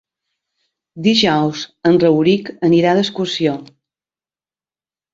Dijous en Rauric anirà d'excursió.